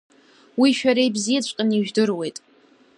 Уи шәара ибзиаҵәҟьаны ижәдыруеит…